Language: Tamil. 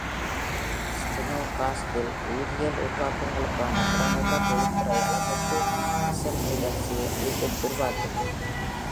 ஸ்டெப்னோகார்ஸ்க்கில், உயிரியல் உருவாக்கங்களுக்கான திறனுள்ள தொழில்துறை அளவீட்டு அசெம்பிளி வரிசையை அலிபெக் உருவாக்கினார்.